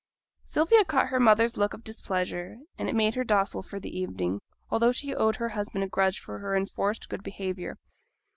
Sylvia caught her mother's look of displeasure, and it made her docile for the evening, although she owed her cousin a grudge for her enforced good behaviour.